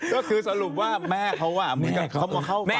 ก็คือสรุปว่าแม่เค้าอะมันกับมันเข้าฟัน